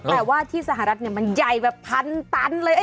แต่ว่าที่สหรัฐมันใหญ่แบบพันตันเลย